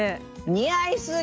似合いすぎ！